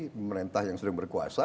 pemerintah yang sering berkuasa